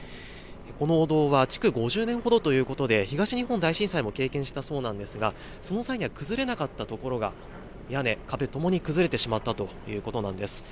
このお堂はちく５０年ほどということで、東日本大震災も経験したそうなんですが、その際には崩れなかった所が、屋根、壁ともに崩れてしまったということなんです。